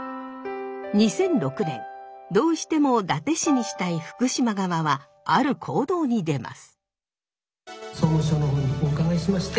２００６年どうしても伊達市にしたい福島側はある行動に出ます。